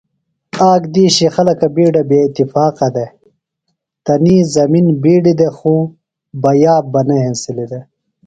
آک دِیشیۡ خلکہ بےاتفاقہ دےۡ۔ تنی زمِن بِیڈیۡ دے خو بہ یاب نہ ہنسِلیۡ دےۡ۔